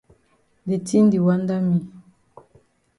De tin di wanda me.